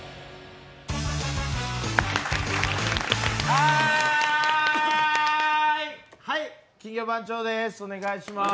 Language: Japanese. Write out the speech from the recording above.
はい、はい、金魚番長です、お願いします。